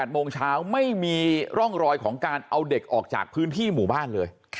โมงเช้าไม่มีร่องรอยของการเอาเด็กออกจากพื้นที่หมู่บ้านเลย